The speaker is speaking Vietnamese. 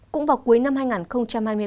cũng vào cuối năm hai nghìn hai mươi ba